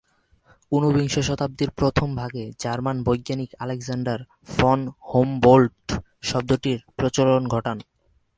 ঊনবিংশ শতাব্দীর প্রথম ভাগে জার্মান বৈজ্ঞানিক আলেকজান্ডার ফন হুমবোল্ড্ট্ শব্দটির প্রচলন ঘটান।